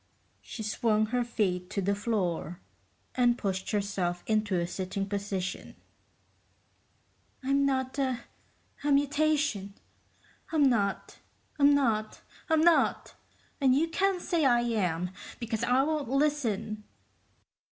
She swung her feet to the floor and pushed herself into a sitting position. "I'm not a ... a mutation. I'm not, I'm not, I'm NOT, and you can't say I am, because I won't listen!"